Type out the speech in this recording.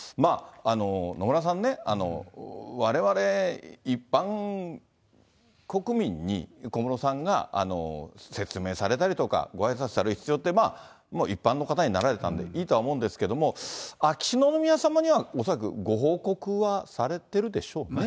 野村さんね、われわれ一般国民に、小室さんが説明されたりとか、ごあいさつされる必要って、一般の方になられたんで、いいとは思うんですけども、秋篠宮さまには恐らくご報告はされてるでしょうね。